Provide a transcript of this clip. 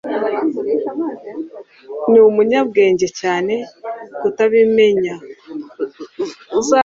ni umunyabwenge cyane kutabimenya